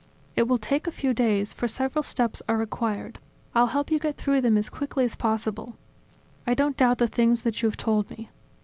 "It will take a few days, for several steps are required. I'll help you get through them as quickly as possible. I don't doubt the things that you have told me.